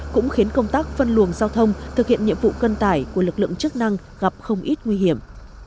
cũng khiến công tác phân luồng giao thông thực hiện nhiệm vụ cân tải của lực lượng chức năng gặp không ít nguy hiểm